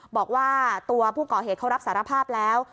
บอกว่าตัวผู้ก่อเหตุเขารับสารภาพแล้ว